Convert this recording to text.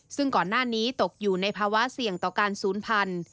ซึ่งก่อนหน้านี้ตกอยู่ในภาวะเสี่ยงต่อการศูนย์พันธุ์